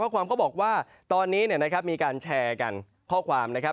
ความก็บอกว่าตอนนี้นะครับมีการแชร์กันข้อความนะครับ